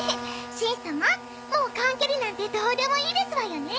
しん様もう缶けりなんてどうでもいいですわよね。